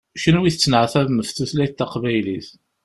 Kunwi tettneɛtabem ɣef tutlayt taqbaylit.